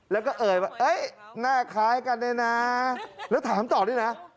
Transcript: แล้วก็เอ่ยว่าหน้าคล้ายกันเนี่ยนะแล้วถามต่อด้วยนะ